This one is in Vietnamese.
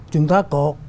chúng ta có